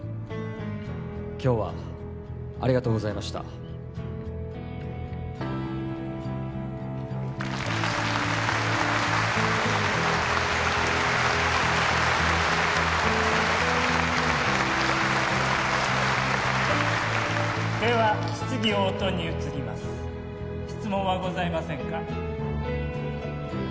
今日はありがとうございましたでは質疑応答に移ります質問はございませんか？